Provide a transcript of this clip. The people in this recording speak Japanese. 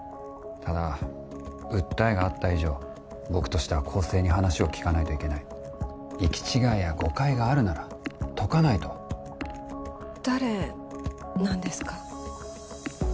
ただ訴えがあった以上僕としては公正に話を聞かないといけない行き違いや誤解があるなら解かないと誰なんですか？